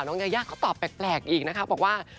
ยายาเขาตอบแปลกอีกนะคะบอกว่า